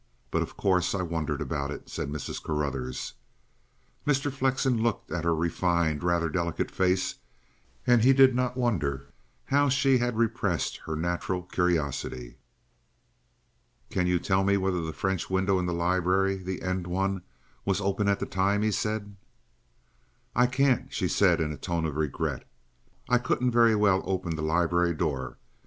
But, of course, I wondered about it," said Mrs. Carruthers. Mr. Flexen looked at her refined, rather delicate face, and he did not wonder how she had repressed her natural curiosity. "Can you tell me whether the French window in the library, the end one, was open at that time?" he said. "I can't," she said in a tone of regret. "I couldn't very well open the library door.